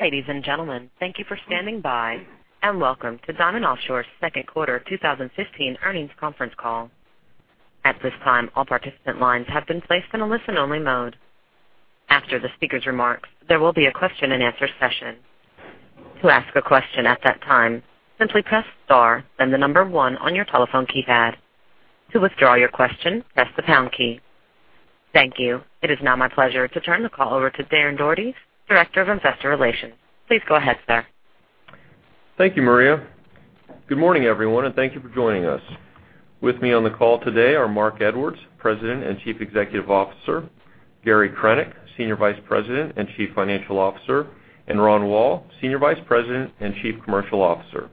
Ladies and gentlemen, thank you for standing by, and welcome to Diamond Offshore's second quarter 2015 earnings conference call. At this time, all participant lines have been placed in a listen-only mode. After the speaker's remarks, there will be a question-and-answer session. To ask a question at that time, simply press star then 1 on your telephone keypad. To withdraw your question, press the pound key. Thank you. It is now my pleasure to turn the call over to Darren Daugherty, Director of Investor Relations. Please go ahead, sir. Thank you, Maria. Good morning, everyone, thank you for joining us. With me on the call today are Marc Edwards, President and Chief Executive Officer, Gary Krenek, Senior Vice President and Chief Financial Officer, and Ronald Woll, Senior Vice President and Chief Commercial Officer.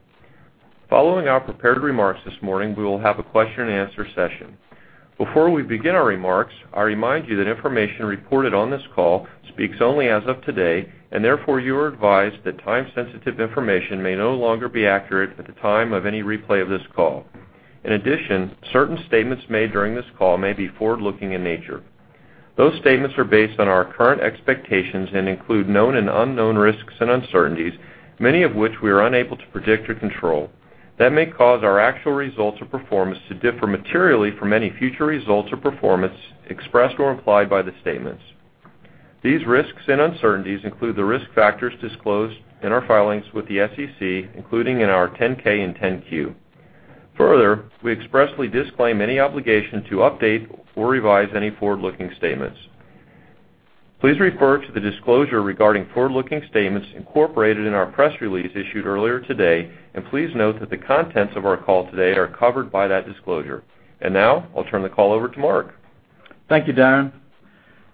Following our prepared remarks this morning, we will have a question-and-answer session. Before we begin our remarks, I remind you that information reported on this call speaks only as of today, and therefore, you are advised that time-sensitive information may no longer be accurate at the time of any replay of this call. In addition, certain statements made during this call may be forward-looking in nature. Those statements are based on our current expectations and include known and unknown risks and uncertainties, many of which we are unable to predict or control, that may cause our actual results or performance to differ materially from any future results or performance expressed or implied by the statements. These risks and uncertainties include the risk factors disclosed in our filings with the SEC, including in our 10-K and 10-Q. Further, we expressly disclaim any obligation to update or revise any forward-looking statements. Please refer to the disclosure regarding forward-looking statements incorporated in our press release issued earlier today, and please note that the contents of our call today are covered by that disclosure. Now I'll turn the call over to Marc. Thank you, Darren.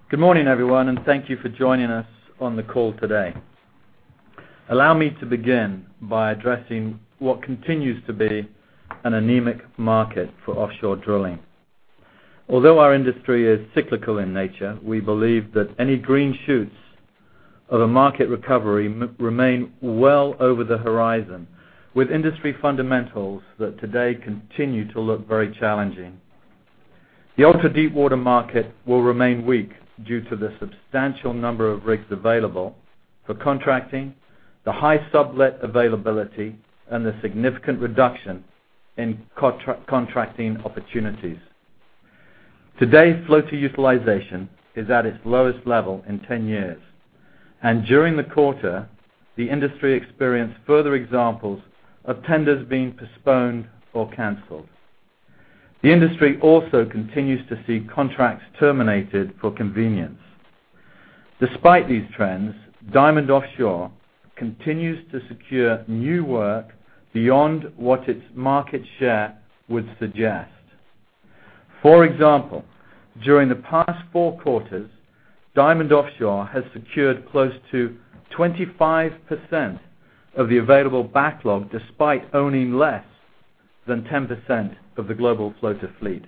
Good morning, everyone, thank you for joining us on the call today. Allow me to begin by addressing what continues to be an anemic market for offshore drilling. Although our industry is cyclical in nature, we believe that any green shoots of a market recovery remain well over the horizon, with industry fundamentals that today continue to look very challenging. The ultra-deepwater market will remain weak due to the substantial number of rigs available for contracting, the high sublet availability, and the significant reduction in contracting opportunities. Today, floater utilization is at its lowest level in 10 years, and during the quarter, the industry experienced further examples of tenders being postponed or canceled. The industry also continues to see contracts terminated for convenience. Despite these trends, Diamond Offshore continues to secure new work beyond what its market share would suggest. For example, during the past four quarters, Diamond Offshore has secured close to 25% of the available backlog, despite owning less than 10% of the global floater fleet.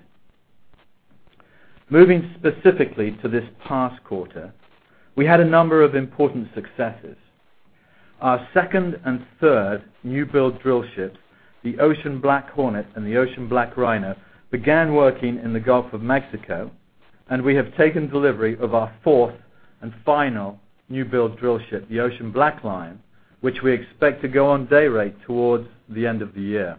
Moving specifically to this past quarter, we had a number of important successes. Our second and third new-build drillships, the Ocean BlackHornet and the Ocean BlackRhino, began working in the Gulf of Mexico, and we have taken delivery of our fourth and final new-build drillship, the Ocean BlackLion, which we expect to go on dayrate towards the end of the year.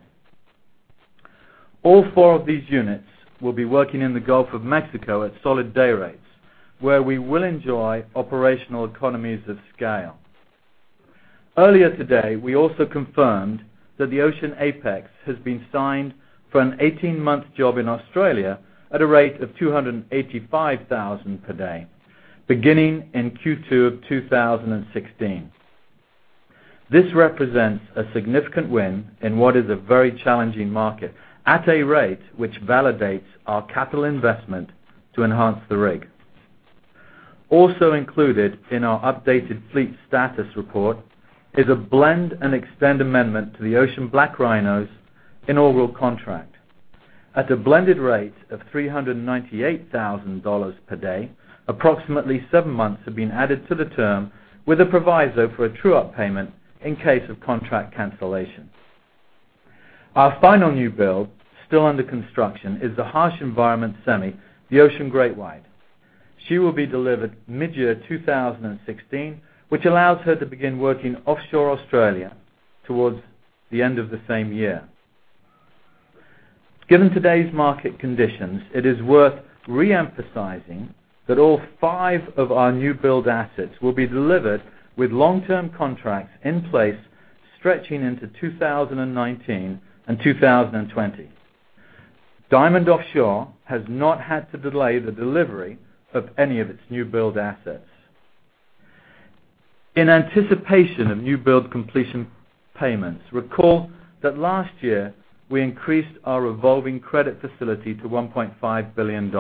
All four of these units will be working in the Gulf of Mexico at solid dayrates, where we will enjoy operational economies of scale. Earlier today, we also confirmed that the Ocean Apex has been signed for an 18-month job in Australia at a rate of $285,000 per day, beginning in Q2 of 2016. This represents a significant win in what is a very challenging market at a rate which validates our capital investment to enhance the rig. Also included in our updated fleet status report is a blend and extend amendment to the Ocean BlackRhino's inaugural contract. At a blended rate of $398,000 per day, approximately seven months have been added to the term with a proviso for a true-up payment in case of contract cancellation. Our final new build, still under construction, is the harsh environment semi, the Ocean GreatWhite. She will be delivered mid-year 2016, which allows her to begin working offshore Australia towards the end of the same year. Given today's market conditions, it is worth re-emphasizing that all five of our new-build assets will be delivered with long-term contracts in place, stretching into 2019 and 2020. Diamond Offshore has not had to delay the delivery of any of its new-build assets. In anticipation of new-build completion payments, recall that last year we increased our revolving credit facility to $1.5 billion.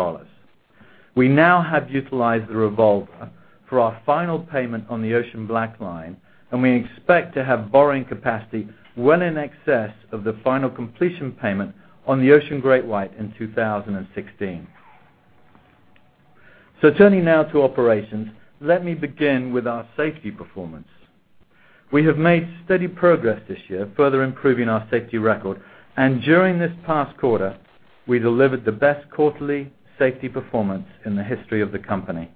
We now have utilized the revolver for our final payment on the Ocean BlackLion, and we expect to have borrowing capacity well in excess of the final completion payment on the Ocean GreatWhite in 2016. Turning now to operations, let me begin with our safety performance. We have made steady progress this year, further improving our safety record, and during this past quarter, we delivered the best quarterly safety performance in the history of the company.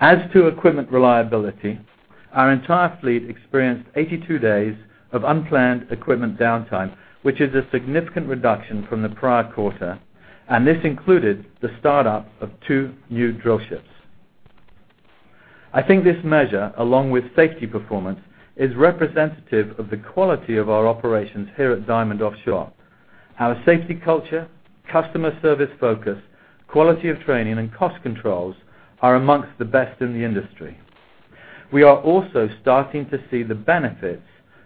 As to equipment reliability, our entire fleet experienced 82 days of unplanned equipment downtime, which is a significant reduction from the prior quarter, and this included the startup of two new drillships. I think this measure, along with safety performance, is representative of the quality of our operations here at Diamond Offshore. Our safety culture, customer service focus, quality of training, and cost controls are amongst the best in the industry. We are also starting to see the benefits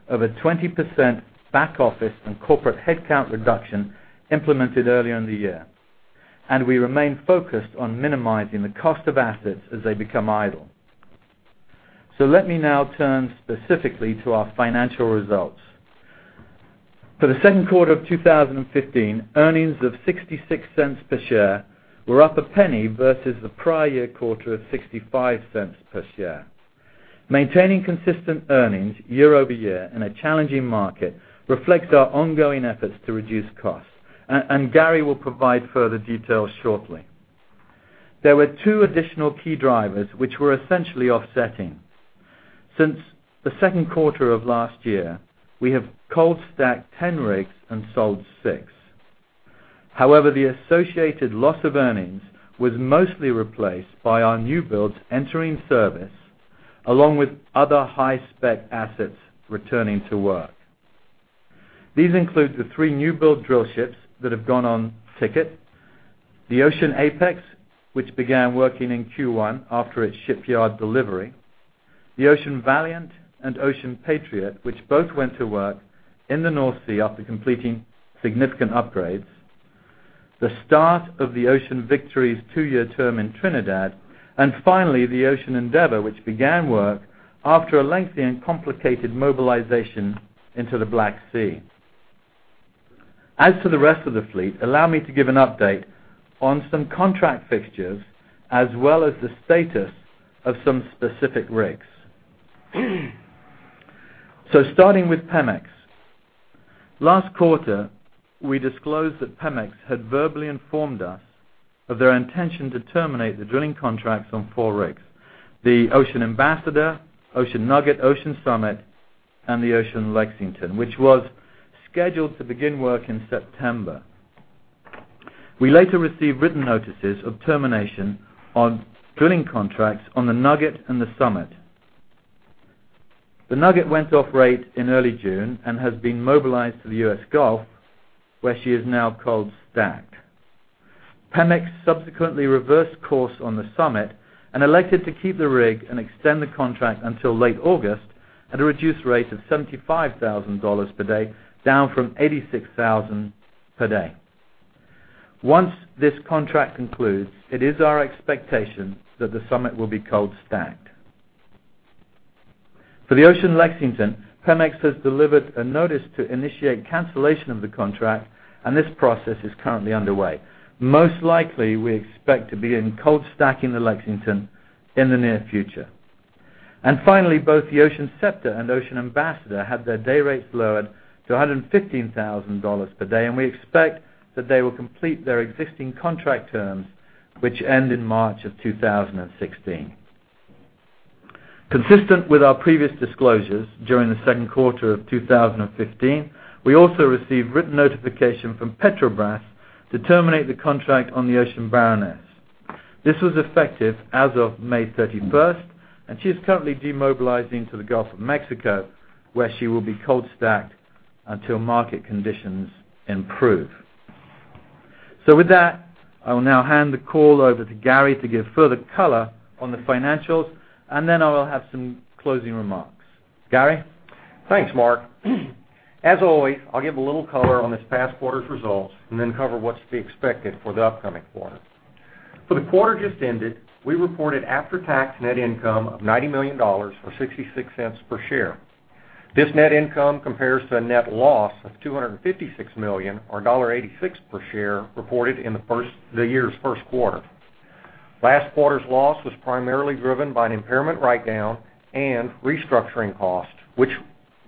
of a 20% back office and corporate headcount reduction implemented earlier in the year, and we remain focused on minimizing the cost of assets as they become idle. Let me now turn specifically to our financial results. For the second quarter of 2015, earnings of $0.66 per share were up $0.01 versus the prior year quarter of $0.65 per share. Maintaining consistent earnings year-over-year in a challenging market reflects our ongoing efforts to reduce costs, and Gary will provide further details shortly. There were two additional key drivers, which were essentially offsetting. Since the second quarter of last year, we have cold stacked 10 rigs and sold six. However, the associated loss of earnings was mostly replaced by our new-builds entering service, along with other high-spec assets returning to work. These include the three new-build drillships that have gone on ticket, the Ocean Apex, which began working in Q1 after its shipyard delivery, the Ocean Valiant and Ocean Patriot, which both went to work in the North Sea after completing significant upgrades, the start of the Ocean Victory's two-year term in Trinidad, and finally, the Ocean Endeavor, which began work after a lengthy and complicated mobilization into the Black Sea. As to the rest of the fleet, allow me to give an update on some contract fixtures, as well as the status of some specific rigs. Starting with Pemex. Last quarter, we disclosed that Pemex had verbally informed us of their intention to terminate the drilling contracts on four rigs, the Ocean Ambassador, Ocean Nugget, Ocean Summit, and the Ocean Lexington, which was scheduled to begin work in September. We later received written notices of termination on drilling contracts on the Nugget and the Summit. The Nugget went off rate in early June and has been mobilized to the U.S. Gulf, where she is now cold stacked. Pemex subsequently reversed course on the Summit and elected to keep the rig and extend the contract until late August at a reduced rate of $75,000 per day, down from $86,000 per day. Once this contract concludes, it is our expectation that the Summit will be cold stacked. For the Ocean Lexington, Pemex has delivered a notice to initiate cancellation of the contract, and this process is currently underway. Most likely, we expect to begin cold stacking the Lexington in the near future. Finally, both the Ocean Scepter and Ocean Ambassador had their day rates lowered to $115,000 per day, and we expect that they will complete their existing contract terms, which end in March of 2016. Consistent with our previous disclosures, during the second quarter of 2015, we also received written notification from Petrobras to terminate the contract on the Ocean Baroness. This was effective as of May 31st, and she is currently demobilizing to the Gulf of Mexico, where she will be cold stacked until market conditions improve. With that, I will now hand the call over to Gary to give further color on the financials, and then I will have some closing remarks. Gary? Thanks, Marc. As always, I'll give a little color on this past quarter's results and then cover what's to be expected for the upcoming quarter. For the quarter just ended, we reported after-tax net income of $90 million, or $0.66 per share. This net income compares to a net loss of $256 million, or $1.86 per share, reported in the year's first quarter. Last quarter's loss was primarily driven by an impairment write-down and restructuring costs, which,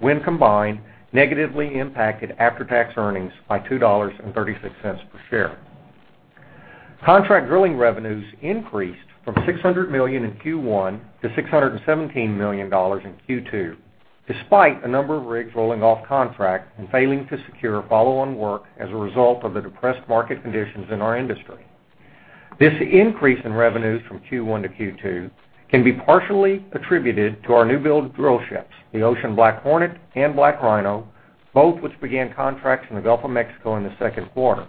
when combined, negatively impacted after-tax earnings by $2.36 per share. Contract drilling revenues increased from $600 million in Q1 to $617 million in Q2, despite a number of rigs rolling off contract and failing to secure follow-on work as a result of the depressed market conditions in our industry. This increase in revenues from Q1 to Q2 can be partially attributed to our new-build drill ships, the Ocean BlackHornet and Ocean BlackRhino, both which began contracts in the Gulf of Mexico in the second quarter.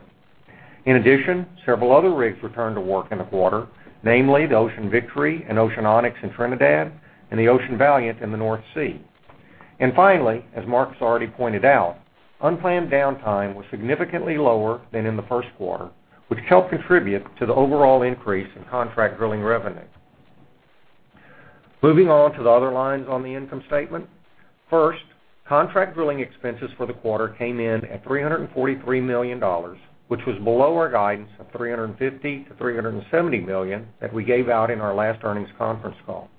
In addition, several other rigs returned to work in the quarter, namely the Ocean Victory and Ocean Onyx in Trinidad and the Ocean Valiant in the North Sea. As Marc's already pointed out, unplanned downtime was significantly lower than in the first quarter, which helped contribute to the overall increase in contract drilling revenue. Moving on to the other lines on the income statement. First, contract drilling expenses for the quarter came in at $343 million, which was below our guidance of $350 million-$370 million that we gave out in our last earnings conference call.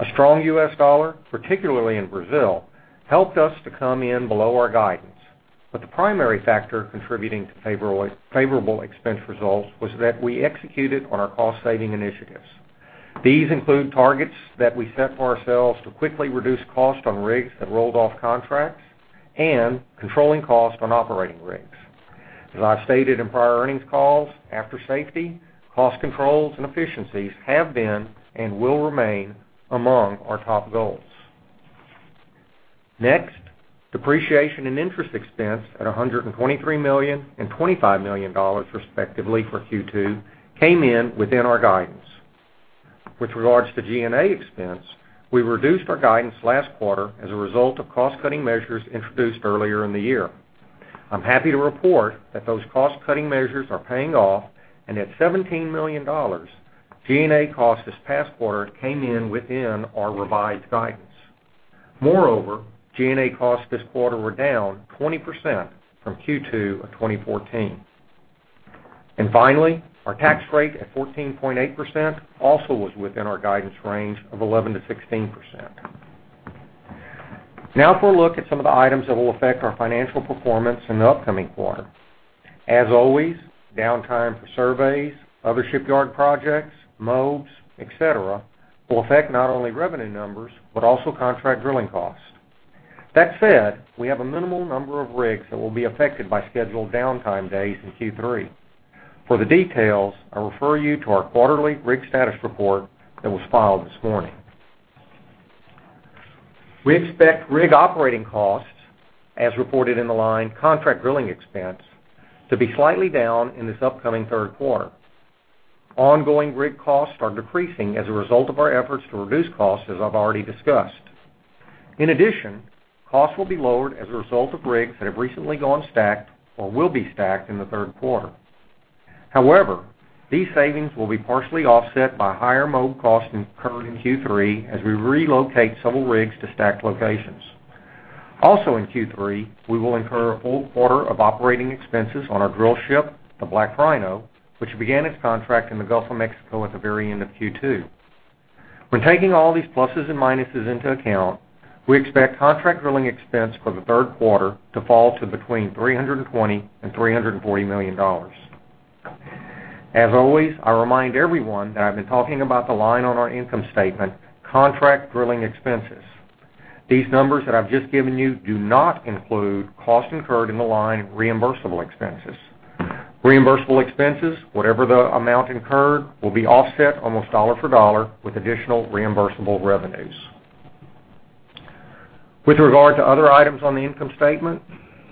A strong US dollar, particularly in Brazil, helped us to come in below our guidance. The primary factor contributing to favorable expense results was that we executed on our cost-saving initiatives. These include targets that we set for ourselves to quickly reduce cost on rigs that rolled off contracts and controlling cost on operating rigs. As I've stated in prior earnings calls, after safety, cost controls, and efficiencies have been and will remain among our top goals. Next, depreciation and interest expense at $123 million and $25 million, respectively, for Q2, came in within our guidance. With regards to G&A expense, we reduced our guidance last quarter as a result of cost-cutting measures introduced earlier in the year. I'm happy to report that those cost-cutting measures are paying off, and at $17 million, G&A costs this past quarter came in within our revised guidance. Moreover, G&A costs this quarter were down 20% from Q2 of 2014. Our tax rate at 14.8% also was within our guidance range of 11%-16%. Now for a look at some of the items that will affect our financial performance in the upcoming quarter. As always, downtime for surveys, other shipyard projects, mobs, et cetera, will affect not only revenue numbers, but also contract drilling costs. That said, we have a minimal number of rigs that will be affected by scheduled downtime days in Q3. For the details, I refer you to our quarterly rig status report that was filed this morning. We expect rig operating costs, as reported in the line contract drilling expense, to be slightly down in this upcoming third quarter. Ongoing rig costs are decreasing as a result of our efforts to reduce costs, as I've already discussed. In addition, costs will be lowered as a result of rigs that have recently gone stacked or will be stacked in the third quarter. These savings will be partially offset by higher mob costs incurred in Q3 as we relocate several rigs to stacked locations. In Q3, we will incur a full quarter of operating expenses on our drill ship, the Ocean BlackRhino, which began its contract in the Gulf of Mexico at the very end of Q2. When taking all these pluses and minuses into account, we expect contract drilling expense for the third quarter to fall to between $320 million and $340 million. As always, I remind everyone that I've been talking about the line on our income statement, contract drilling expenses. These numbers that I've just given you do not include costs incurred in the line reimbursable expenses. Reimbursable expenses, whatever the amount incurred, will be offset almost dollar for dollar with additional reimbursable revenues. With regard to other items on the income statement,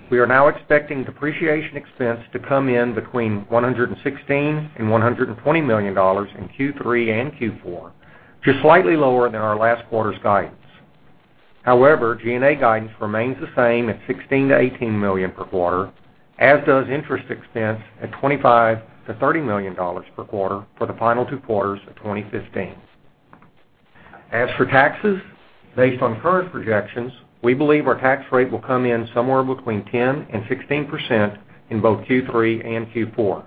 we are now expecting depreciation expense to come in between $116 million-$120 million in Q3 and Q4, just slightly lower than our last quarter's guidance. G&A guidance remains the same at $16 million-$18 million per quarter, as does interest expense at $25 million-$30 million per quarter for the final two quarters of 2015. As for taxes, based on current projections, we believe our tax rate will come in somewhere between 10%-16% in both Q3 and Q4.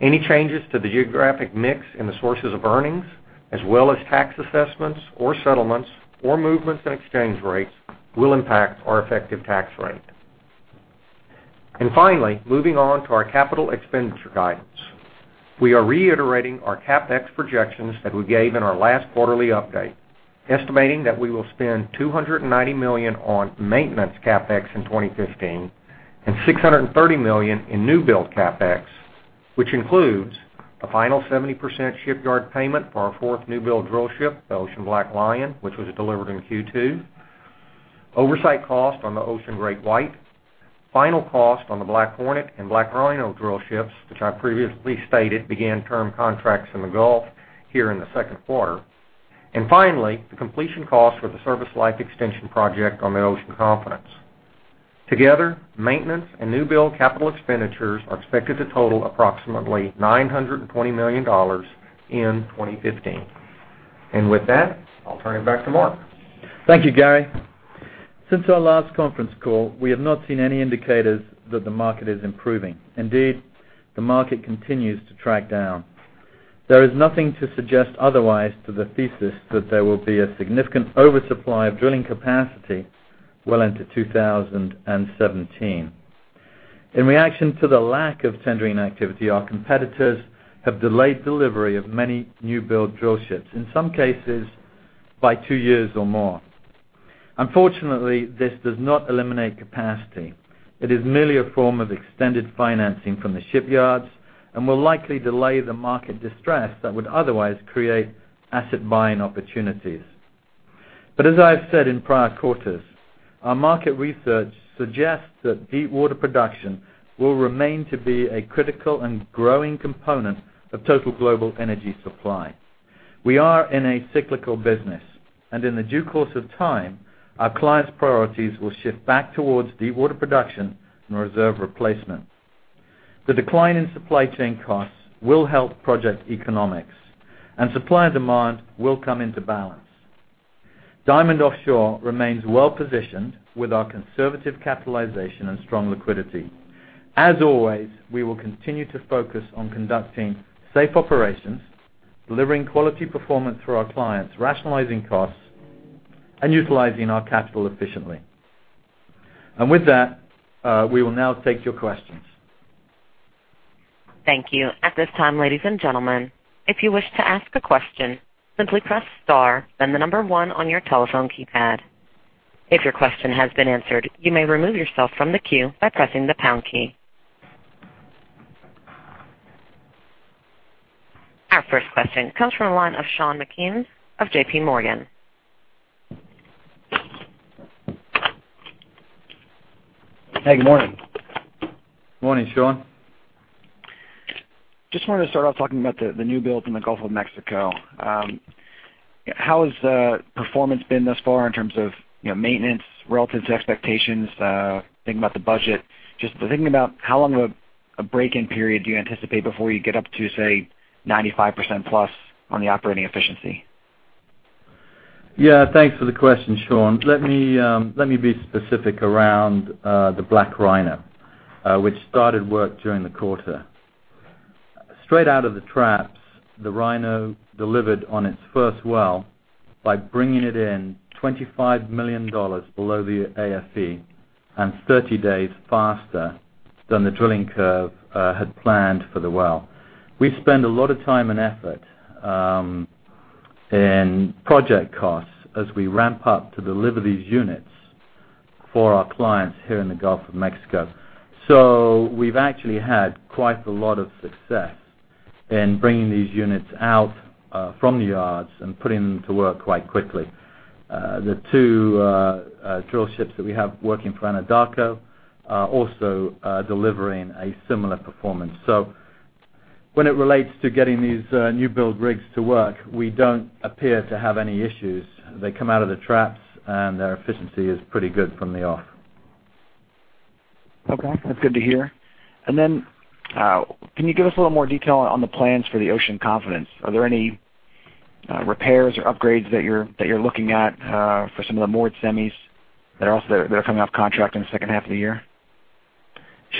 Any changes to the geographic mix in the sources of earnings, as well as tax assessments or settlements or movements in exchange rates, will impact our effective tax rate. Finally, moving on to our capital expenditure guidance. We are reiterating our CapEx projections that we gave in our last quarterly update, estimating that we will spend $290 million on maintenance CapEx in 2015 and $630 million in new-build CapEx, which includes the final 70% shipyard payment for our fourth new-build drillship, the Ocean BlackLion, which was delivered in Q2, oversight cost on the Ocean GreatWhite, final cost on the BlackHornet and BlackRhino drillships, which I previously stated began term contracts in the Gulf here in the second quarter, and finally, the completion cost for the service life extension project on the Ocean Confidence. Together, maintenance and new-build capital expenditures are expected to total approximately $920 million in 2015. With that, I'll turn it back to Marc. Thank you, Gary. Since our last conference call, we have not seen any indicators that the market is improving. Indeed, the market continues to track down. There is nothing to suggest otherwise to the thesis that there will be a significant oversupply of drilling capacity well into 2017. In reaction to the lack of tendering activity, our competitors have delayed delivery of many new-build drillships, in some cases by two years or more. Unfortunately, this does not eliminate capacity. It is merely a form of extended financing from the shipyards and will likely delay the market distress that would otherwise create asset-buying opportunities. As I have said in prior quarters, our market research suggests that deepwater production will remain to be a critical and growing component of total global energy supply. We are in a cyclical business, in the due course of time, our clients' priorities will shift back towards deepwater production and reserve replacement. The decline in supply chain costs will help project economics, supply and demand will come into balance. Diamond Offshore remains well-positioned with our conservative capitalization and strong liquidity. As always, we will continue to focus on conducting safe operations, delivering quality performance for our clients, rationalizing costs, and utilizing our capital efficiently. With that, we will now take your questions. Thank you. At this time, ladies and gentlemen, if you wish to ask a question, simply press star, then the number one on your telephone keypad. If your question has been answered, you may remove yourself from the queue by pressing the pound key. Our first question comes from the line of Sean Meakim of JPMorgan. Hey, good morning. Morning, Sean. Just wanted to start off talking about the new build in the Gulf of Mexico. How has the performance been thus far in terms of maintenance relative to expectations, thinking about the budget? Just thinking about how long of a break-in period do you anticipate before you get up to, say, 95% plus on the operating efficiency? Yeah. Thanks for the question, Sean. Let me be specific around the BlackRhino, which started work during the quarter. Straight out of the traps, the Rhino delivered on its first well by bringing it in $25 million below the AFE and 30 days faster than the drilling curve had planned for the well. We spend a lot of time and effort in project costs as we ramp up to deliver these units for our clients here in the Gulf of Mexico. We've actually had quite a lot of success in bringing these units out from the yards and putting them to work quite quickly. The two drillships that we have working for Anadarko are also delivering a similar performance. When it relates to getting these new-build rigs to work, we don't appear to have any issues. They come out of the traps, their efficiency is pretty good from the off. Okay. That's good to hear. Can you give us a little more detail on the plans for the Ocean Confidence? Are there any repairs or upgrades that you're looking at for some of the moored semis that are coming off contract in the second half of the year?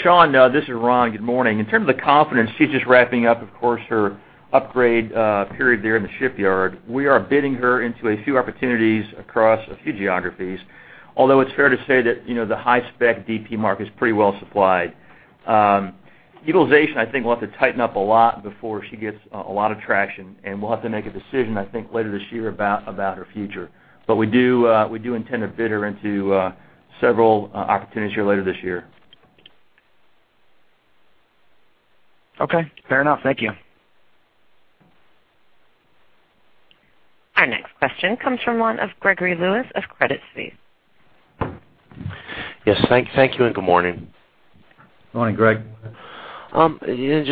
Sean, this is Ron. Good morning. In terms of the Ocean Confidence, she's just wrapping up, of course, her upgrade period there in the shipyard. We are bidding her into a few opportunities across a few geographies, although it's fair to say that the high-spec DP market is pretty well supplied. Utilization, I think, we'll have to tighten up a lot before she gets a lot of traction, and we'll have to make a decision, I think, later this year about her future. We do intend to bid her into several opportunities here later this year. Okay. Fair enough. Thank you. Our next question comes from one of Gregory Lewis of Credit Suisse. Yes. Thank you, and good morning. Morning, Greg.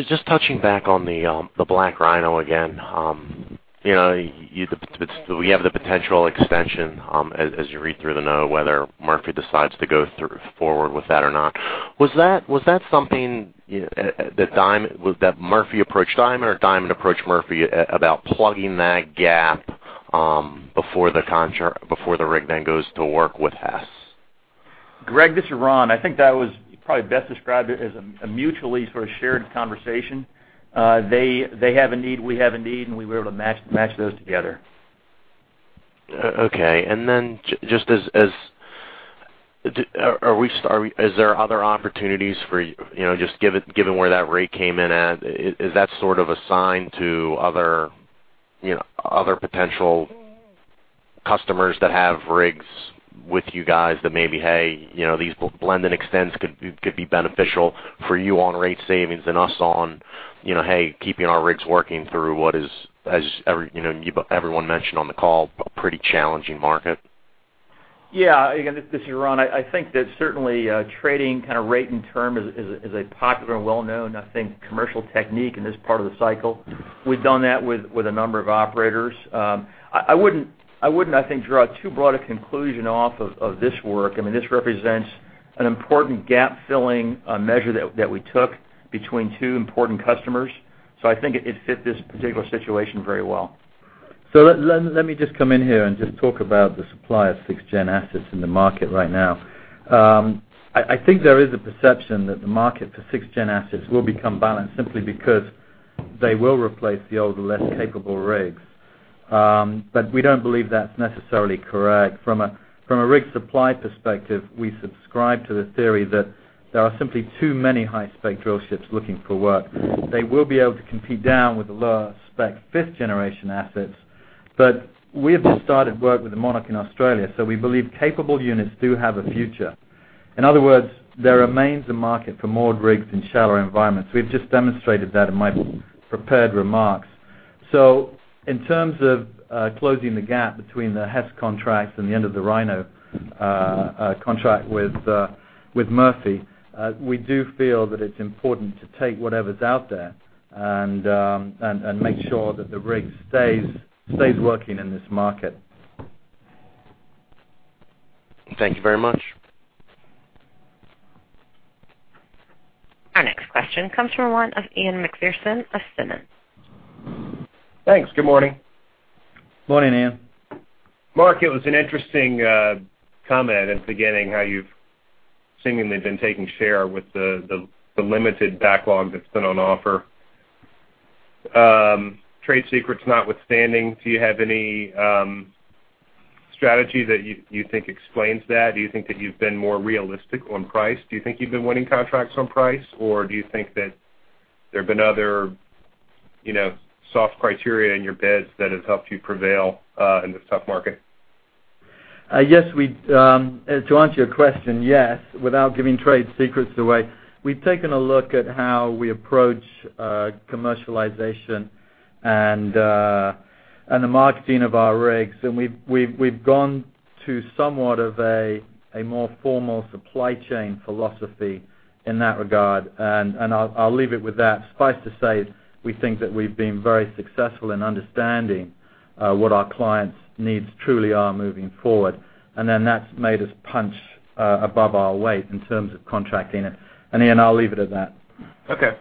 Just touching back on the Black Rhino again. We have the potential extension, as you read through the note, whether Murphy decides to go forward with that or not. Was that something that Murphy approached Diamond or Diamond approached Murphy about plugging that gap before the rig then goes to work with Hess? Greg, this is Ron. I think that was probably best described as a mutually sort of shared conversation. They have a need, we have a need, and we were able to match those together. Okay. Are there other opportunities for, just given where that rate came in at, is that sort of a sign to other potential customers that have rigs with you guys that maybe, hey, these blended extends could be beneficial for you on rate savings and us on, hey, keeping our rigs working through what is, as everyone mentioned on the call, a pretty challenging market? Again, this is Ron. I think that certainly trading kind of rate and term is a popular and well-known, I think, commercial technique in this part of the cycle. We've done that with a number of operators. I wouldn't, I think, draw too broad a conclusion off of this work. I mean, this represents an important gap-filling measure that we took between two important customers. I think it fit this particular situation very well. Let me just come in here and just talk about the supply of sixth-gen assets in the market right now. I think there is a perception that the market for sixth-gen assets will become balanced simply because they will replace the older, less capable rigs. We don't believe that's necessarily correct. From a rig supply perspective, we subscribe to the theory that there are simply too many high-spec drillships looking for work. They will be able to compete down with the lower-spec fifth-generation assets. We have just started work with the Monarch in Australia, so we believe capable units do have a future. In other words, there remains a market for more rigs in shallower environments. We've just demonstrated that in my prepared remarks. In terms of closing the gap between the Hess contract and the end of the Rhino contract with Murphy, we do feel that it's important to take whatever's out there and make sure that the rig stays working in this market. Thank you very much. Question comes from one of Ian Macpherson of Simmons. Thanks. Good morning. Morning, Ian. Marc, it was an interesting comment at the beginning how you've seemingly been taking share with the limited backlog that's been on offer. Trade secrets notwithstanding, do you have any strategy that you think explains that? Do you think that you've been more realistic on price? Do you think you've been winning contracts on price, or do you think that there have been other soft criteria in your bids that have helped you prevail in this tough market? Yes. To answer your question, yes. Without giving trade secrets away, we've taken a look at how we approach commercialization and the marketing of our rigs, and we've gone to somewhat of a more formal supply chain philosophy in that regard. I'll leave it with that. Suffice to say, we think that we've been very successful in understanding what our clients' needs truly are moving forward. That's made us punch above our weight in terms of contracting it. Ian, I'll leave it at that. Okay.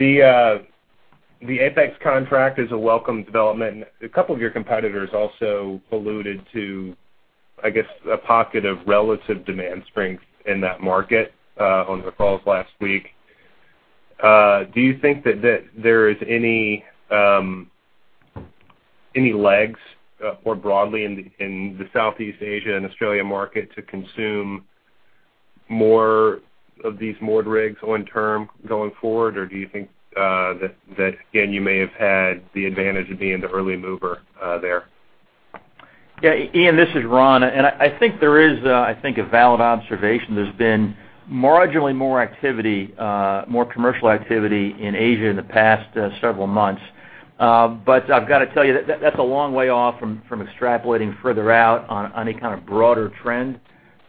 The Apex contract is a welcome development. A couple of your competitors also alluded to, I guess, a pocket of relative demand strength in that market on their calls last week. Do you think that there is any legs, more broadly in the Southeast Asia and Australia market, to consume more of these moored rigs on term going forward? Or do you think that, again, you may have had the advantage of being the early mover there? Yeah. Ian, this is Ron. I think there is a valid observation. There's been marginally more commercial activity in Asia in the past several months. I've got to tell you, that's a long way off from extrapolating further out on any kind of broader trend.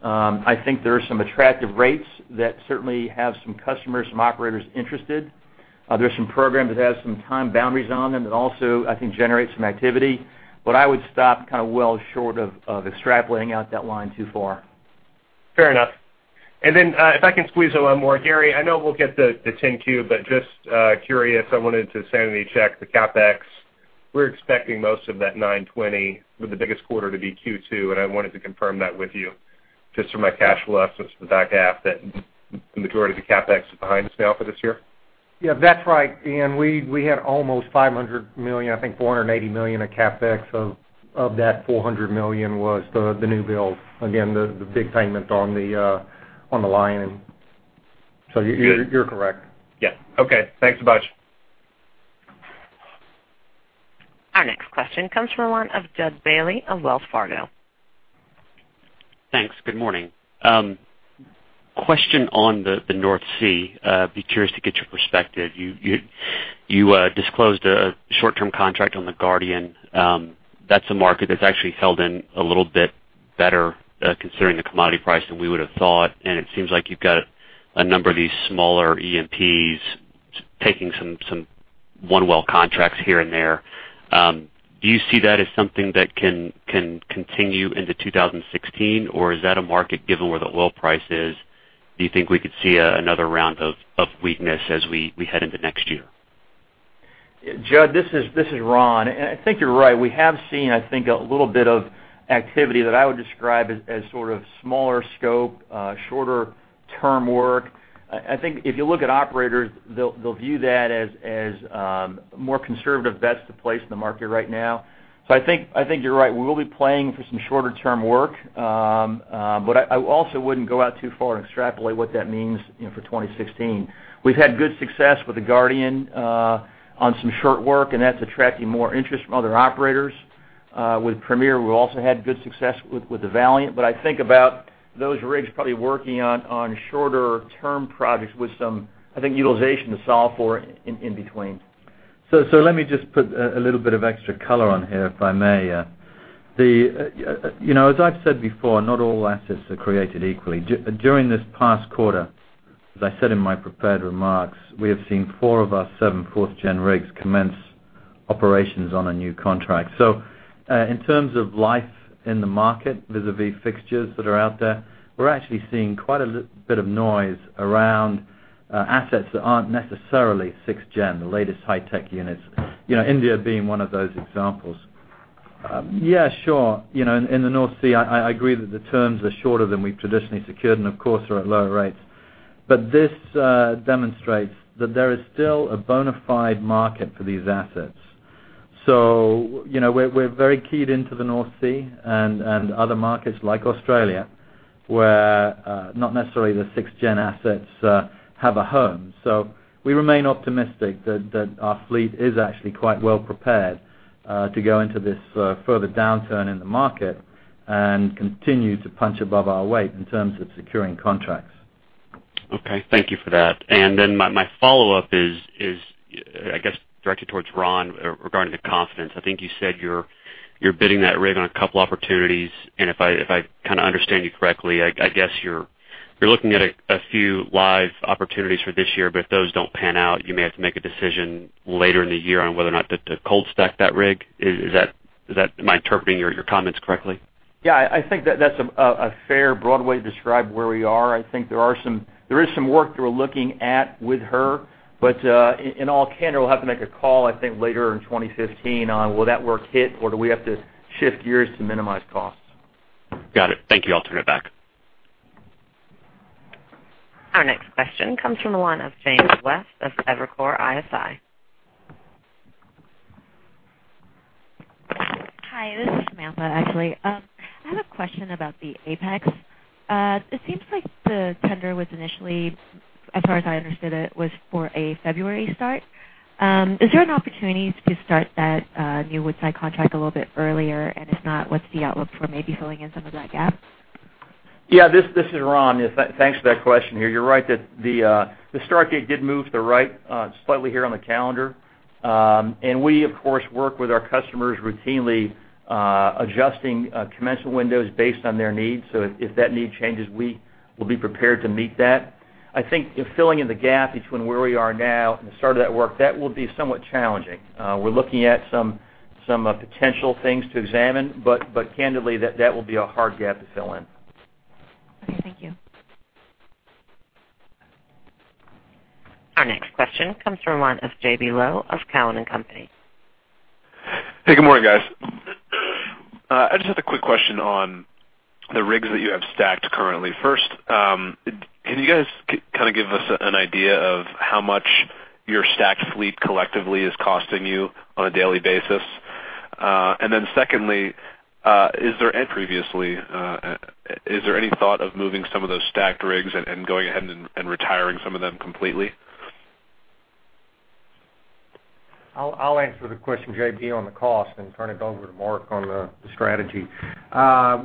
I think there are some attractive rates that certainly have some customers, some operators interested. There's some programs that have some time boundaries on them that also, I think, generate some activity. I would stop well short of extrapolating out that line too far. Fair enough. If I can squeeze a little more, Gary, I know we'll get the 10-Q, but just curious, I wanted to sanity check the CapEx. We're expecting most of that $920 with the biggest quarter to be Q2, and I wanted to confirm that with you just for my cash flow assumptions for the back half, that the majority of the CapEx is behind us now for this year. Yeah, that's right, Ian. We had almost $500 million, I think $480 million of CapEx. Of that $400 million was the new build. Again, the big payment on the Lion. You're correct. Yeah. Okay. Thanks a bunch. Our next question comes from one of Jud Bailey of Wells Fargo. Thanks. Good morning. Question on the North Sea. Be curious to get your perspective. You disclosed a short-term contract on the Guardian. That's a market that's actually held in a little bit better, considering the commodity price than we would have thought, and it seems like you've got a number of these smaller E&Ps taking some one-well contracts here and there. Do you see that as something that can continue into 2016? Is that a market, given where the oil price is, do you think we could see another round of weakness as we head into next year? Jud, this is Ron. I think you're right. We have seen, I think, a little bit of activity that I would describe as sort of smaller scope, shorter-term work. I think if you look at operators, they'll view that as more conservative bets to place in the market right now. I think you're right. We will be playing for some shorter-term work. I also wouldn't go out too far and extrapolate what that means for 2016. We've had good success with the Guardian on some short work, and that's attracting more interest from other operators. With Premier, we've also had good success with the Valiant, but I think about those rigs probably working on shorter-term projects with some, I think utilization to solve for in between. Let me just put a little bit of extra color on here, if I may. As I've said before, not all assets are created equally. During this past quarter, as I said in my prepared remarks, we have seen four of our seven fourth-gen rigs commence operations on a new contract. In terms of life in the market, vis-à-vis fixtures that are out there, we're actually seeing quite a bit of noise around assets that aren't necessarily sixth-gen, the latest high-tech units. India being one of those examples. Yeah, sure. In the North Sea, I agree that the terms are shorter than we've traditionally secured, and of course, are at lower rates. This demonstrates that there is still a bona fide market for these assets. We're very keyed into the North Sea and other markets like Australia, where not necessarily the sixth-gen assets have a home. We remain optimistic that our fleet is actually quite well prepared to go into this further downturn in the market and continue to punch above our weight in terms of securing contracts. Okay. Thank you for that. My follow-up is I guess directed towards Ron regarding the Ocean Confidence. I think you said you're bidding that rig on a couple opportunities, and if I understand you correctly, I guess you're looking at a few live opportunities for this year, but if those don't pan out, you may have to make a decision later in the year on whether or not to cold stack that rig. Am I interpreting your comments correctly? Yeah, I think that's a fair broad way to describe where we are. I think there is some work that we're looking at with her, but in all candor, we'll have to make a call, I think, later in 2015 on will that work hit or do we have to shift gears to minimize costs? Got it. Thank you. I'll turn it back. Our next question comes from the line of James West of Evercore ISI. Hi, this is Samantha, actually. I have a question about the Apex. It seems like the tender was initially, as far as I understood it, was for a February start. Is there an opportunity to start that new Woodside contract a little bit earlier? If not, what's the outlook for maybe filling in some of that gap? This is Ron. Thanks for that question here. You're right. The start date did move to the right slightly here on the calendar. We, of course, work with our customers routinely adjusting commencement windows based on their needs. If that need changes, we will be prepared to meet that. I think filling in the gap between where we are now and the start of that work, that will be somewhat challenging. We're looking at some potential things to examine, candidly, that will be a hard gap to fill in. Okay. Thank you. Our next question comes from the line of J.B. Lowe of Cowen and Company. Hey, good morning, guys. I just have a quick question on the rigs that you have stacked currently. First, can you guys kind of give us an idea of how much your stacked fleet collectively is costing you on a daily basis? Secondly, is there any thought of moving some of those stacked rigs and going ahead and retiring some of them completely? I'll answer the question, J.B., on the cost and turn it over to Marc on the strategy.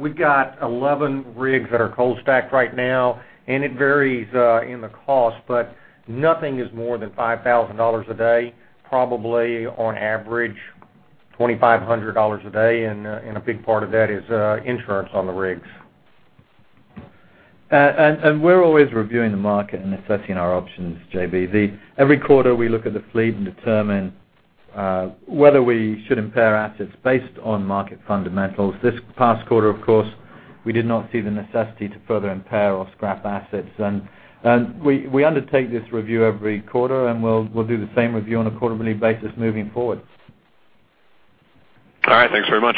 We've got 11 rigs that are cold stacked right now, and it varies in the cost, but nothing is more than $5,000 a day, probably on average $2,500 a day, and a big part of that is insurance on the rigs. We're always reviewing the market and assessing our options, J.B. Every quarter, we look at the fleet and determine whether we should impair assets based on market fundamentals. This past quarter, of course, we did not see the necessity to further impair or scrap assets. We undertake this review every quarter, and we'll do the same review on a quarterly basis moving forward. All right. Thanks very much.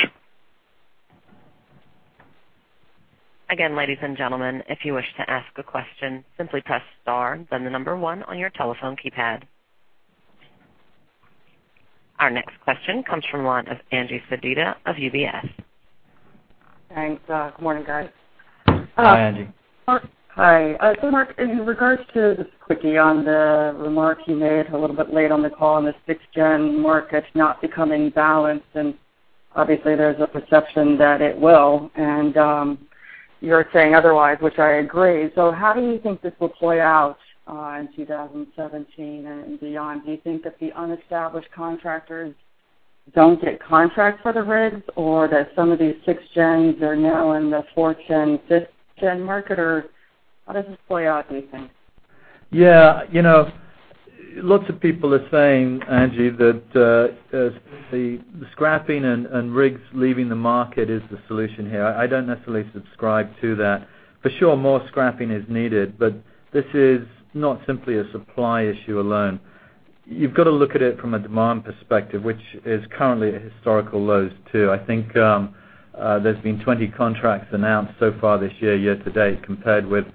Again, ladies and gentlemen, if you wish to ask a question, simply press star then the number 1 on your telephone keypad. Our next question comes from the line of Angie Sedita of UBS. Thanks. Good morning, guys. Hi, Angie. Hi. Marc, in regards to this quickie on the remark you made a little bit late on the call on the sixth-gen market not becoming balanced. Obviously, there's a perception that it will. You're saying otherwise, which I agree. How do you think this will play out in 2017 and beyond? Do you think that the unestablished contractors don't get contracts for the rigs, that some of these sixth-gens are now in the fourth-gen, fifth-gen market, or how does this play out, do you think? Yeah. Lots of people are saying, Angie, that the scrapping and rigs leaving the market is the solution here. I don't necessarily subscribe to that. For sure, more scrapping is needed. This is not simply a supply issue alone. You've got to look at it from a demand perspective, which is currently at historical lows too. I think there's been 20 contracts announced so far this year to date, compared with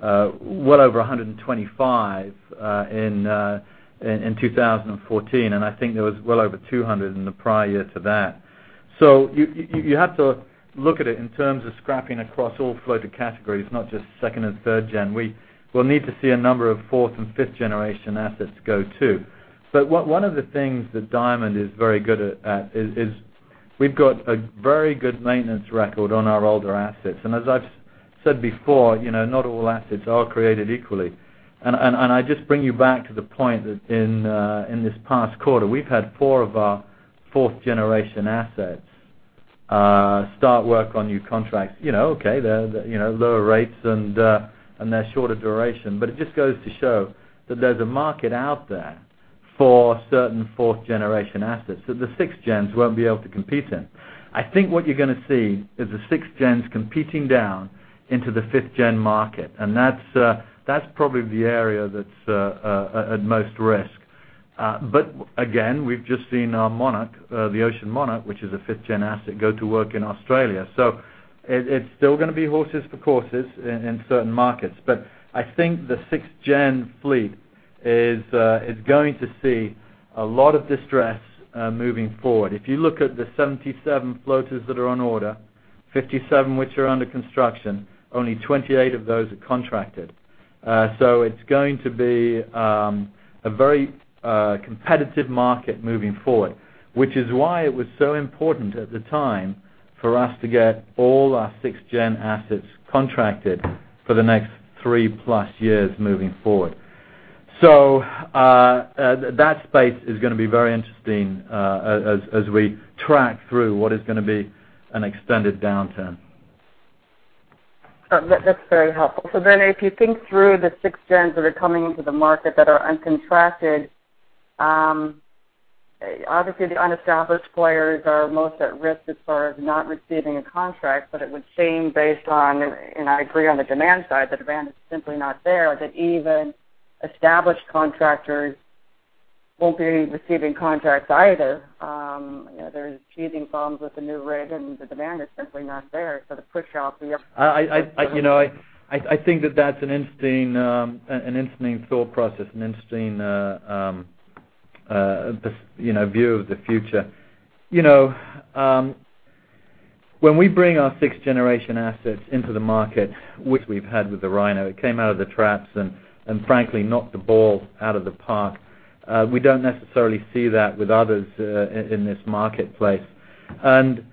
well over 125 in 2014. I think there was well over 200 in the prior year to that. You have to look at it in terms of scrapping across all floater categories, not just second and third gen. We'll need to see a number of fourth and fifth-generation assets go, too. One of the things that Diamond is very good at is we've got a very good maintenance record on our older assets. As I've said before, not all assets are created equally. I just bring you back to the point that in this past quarter, we've had four of our fourth-generation assets start work on new contracts. Okay, they're lower rates and they're shorter duration. It just goes to show that there's a market out there for certain fourth-generation assets that the sixth gens won't be able to compete in. I think what you're gonna see is the sixth gens competing down into the fifth-gen market. That's probably the area that's at most risk. Again, we've just seen our Monarch, the Ocean Monarch, which is a fifth-gen asset, go to work in Australia. It's still gonna be horses for courses in certain markets. I think the sixth-gen fleet is going to see a lot of distress moving forward. If you look at the 77 floaters that are on order, 57 which are under construction, only 28 of those are contracted. It's going to be a very competitive market moving forward, which is why it was so important at the time for us to get all our sixth-gen assets contracted for the next 3-plus years moving forward. That space is going to be very interesting as we track through what is going to be an extended downturn. That's very helpful. If you think through the six gens that are coming into the market that are uncontracted, obviously the unestablished players are most at risk as far as not receiving a contract, but it would seem based on, and I agree on the demand side, the demand is simply not there, that even established contractors will not be receiving contracts either. There's teething problems with the new rig, and the demand is simply not there. I think that that's an interesting thought process, an interesting view of the future. When we bring our sixth-generation assets into the market, which we've had with the Rhino, it came out of the traps and frankly knocked the ball out of the park. We do not necessarily see that with others in this marketplace. There's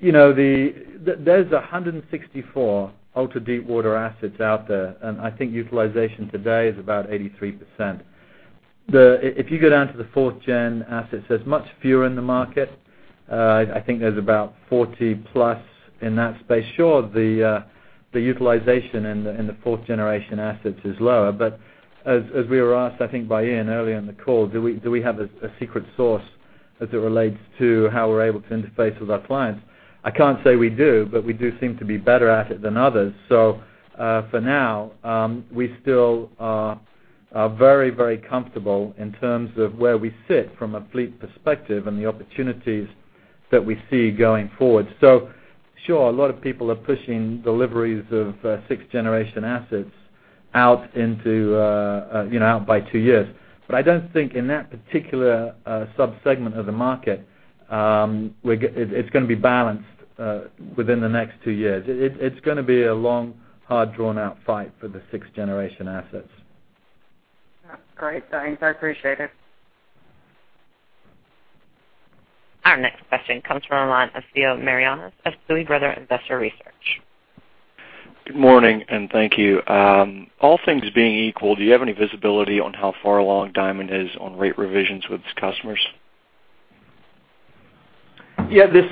164 ultra-deepwater assets out there, and I think utilization today is about 83%. If you go down to the fourth-gen assets, there's much fewer in the market. I think there's about 40-plus in that space. Sure, the utilization in the fourth-generation assets is lower, but as we were asked, I think, by Ian earlier in the call, do we have a secret sauce as it relates to how we're able to interface with our clients? I cannot say we do, but we do seem to be better at it than others. For now, we still are very comfortable in terms of where we sit from a fleet perspective and the opportunities that we see going forward. Sure, a lot of people are pushing deliveries of sixth-generation assets out by 2 years. I do not think in that particular subsegment of the market it is going to be balanced within the next 2 years. It is going to be a long, hard, drawn-out fight for the sixth-generation assets. That's great. Thanks, I appreciate it. Our next question comes from the line of Theo Marianos of Stifel Nicolaus Investor Research. Good morning, and thank you. All things being equal, do you have any visibility on how far along Diamond is on rate revisions with its customers? This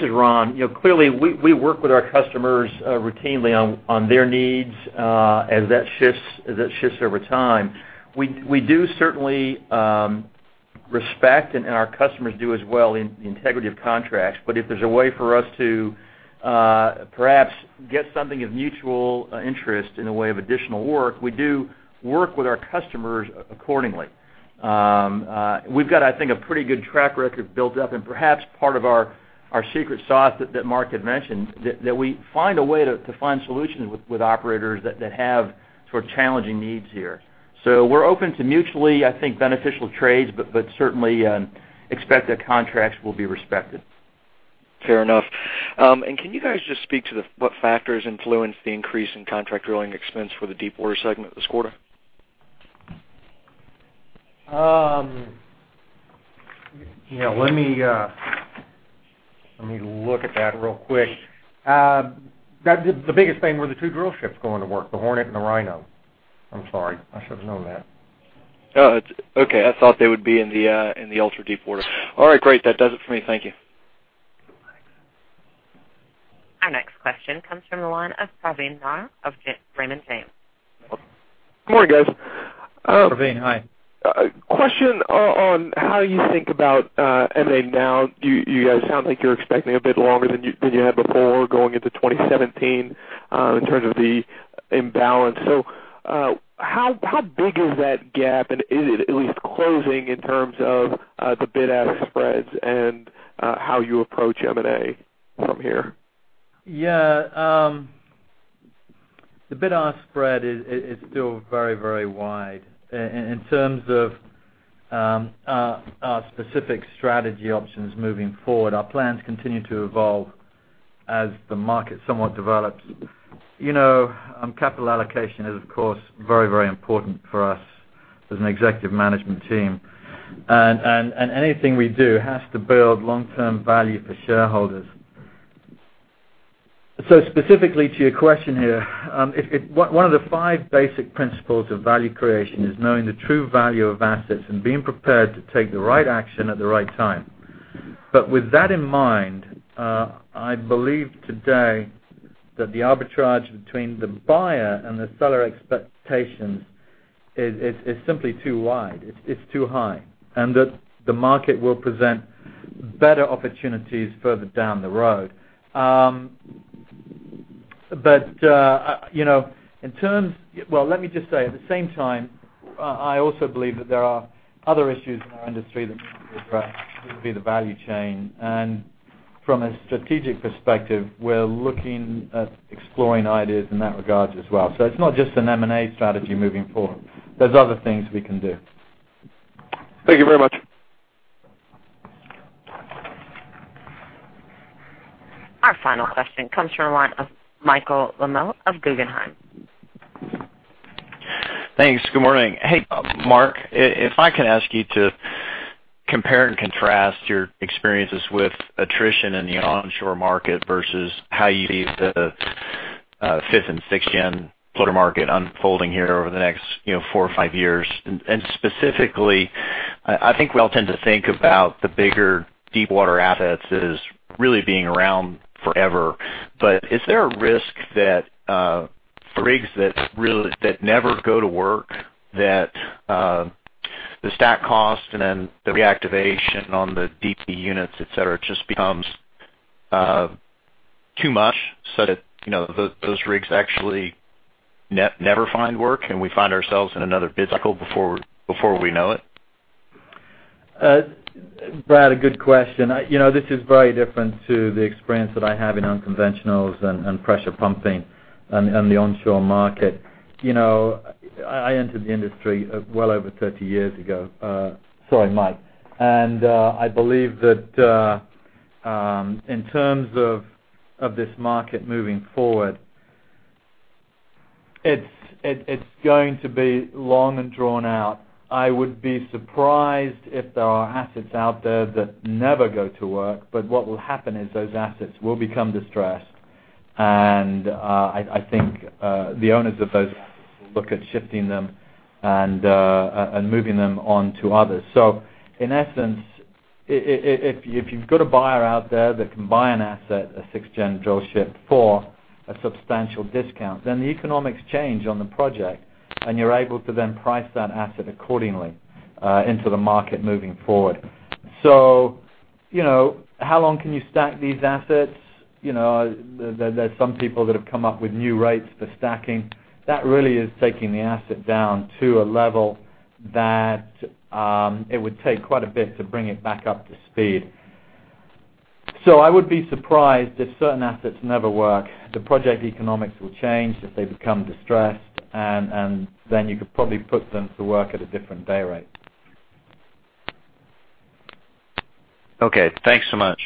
is Ron. Clearly, we work with our customers routinely on their needs as that shifts over time. We do certainly respect, and our customers do as well, the integrity of contracts, but if there's a way for us to perhaps get something of mutual interest in the way of additional work, we do work with our customers accordingly. We've got, I think, a pretty good track record built up and perhaps part of our secret sauce that Marc had mentioned, that we find a way to find solutions with operators that have challenging needs here. We're open to mutually, I think, beneficial trades, but certainly expect that contracts will be respected. Fair enough. Can you guys just speak to what factors influenced the increase in contract drilling expense for the deepwater segment this quarter? Let me look at that real quick. The biggest thing were the two drillships going to work, the Hornet and the Rhino. I'm sorry. I should've known that. Oh, okay. I thought they would be in the ultra-deepwater. All right, great. That does it for me. Thank you. Our next question comes from the line of Praveen Rana of Jefferies. Good morning, guys. Praveen, hi. Question on how you think about M&A now. You guys sound like you're expecting a bit longer than you had before going into 2017 in terms of the imbalance. How big is that gap, and is it at least closing in terms of the bid-ask spreads and how you approach M&A from here? Yeah. The bid-ask spread is still very wide. In terms of our specific strategy options moving forward, our plans continue to evolve as the market somewhat develops. Capital allocation is, of course, very important for us as an executive management team, and anything we do has to build long-term value for shareholders. Specifically to your question here, one of the five basic principles of value creation is knowing the true value of assets and being prepared to take the right action at the right time. With that in mind, I believe today that the arbitrage between the buyer and the seller expectations is simply too wide, it's too high, and that the market will present better opportunities further down the road. Let me just say, at the same time, I also believe that there are other issues in our industry that need to be addressed, specifically the value chain. From a strategic perspective, we're looking at exploring ideas in that regard as well. It's not just an M&A strategy moving forward. There's other things we can do. Thank you very much. Our final question comes from the line of Michael Lemmo of Guggenheim. Thanks. Good morning. Hey, Marc, if I can ask you to compare and contrast your experiences with attrition in the onshore market versus how you see the fifth-gen and sixth-gen floater market unfolding here over the next four or five years. Specifically I think we all tend to think about the bigger deepwater assets as really being around forever. Is there a risk that for rigs that never go to work, that the stack cost and then the reactivation on the BT units, et cetera, just becomes too much so that those rigs actually never find work, and we find ourselves in another physical before we know it? Marc, a good question. This is very different to the experience that I have in unconventionals and pressure pumping in the onshore market. I entered the industry well over 30 years ago. Sorry, Mike. I believe that in terms of this market moving forward, it's going to be long and drawn out. I would be surprised if there are assets out there that never go to work. What will happen is those assets will become distressed. I think the owners of those assets will look at shifting them and moving them on to others. In essence, if you've got a buyer out there that can buy an asset, a sixth-gen drillship for a substantial discount, then the economics change on the project, and you're able to then price that asset accordingly into the market moving forward. How long can you stack these assets? There's some people that have come up with new rates for stacking. That really is taking the asset down to a level that it would take quite a bit to bring it back up to speed. I would be surprised if certain assets never work. The project economics will change if they become distressed, and then you could probably put them to work at a different day rate. Okay, thanks so much.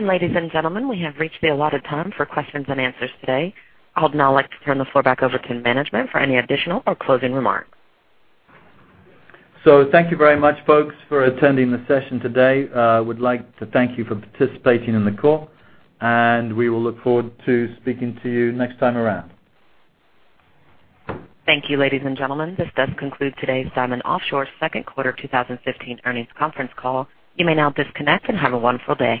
Ladies and gentlemen, we have reached the allotted time for questions and answers today. I'd now like to turn the floor back over to management for any additional or closing remarks. Thank you very much, folks, for attending the session today. Would like to thank you for participating in the call, and we will look forward to speaking to you next time around. Thank you, ladies and gentlemen. This does conclude today's Diamond Offshore second quarter 2015 earnings conference call. You may now disconnect and have a wonderful day.